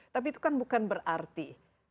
tapi itu kan bukan berarti